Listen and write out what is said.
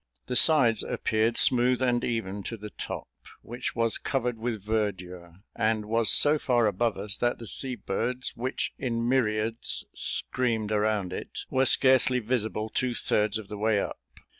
The sides appeared smooth and even to the top, which was covered with verdure, and was so far above us that the sea birds, which in myriads screamed around it, were scarcely visible two thirds of the way up.